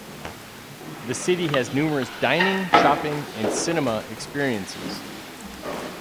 The city has numerous dining, shopping, and cinema experiences.